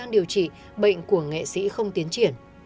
điều trị bệnh của nghệ sĩ không tiến triển